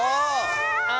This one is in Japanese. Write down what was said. あ！